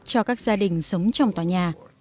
cho các gia đình